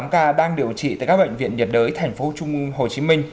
hai mươi tám ca đang điều trị tại các bệnh viện nhiệt đới thành phố trung hồ chí minh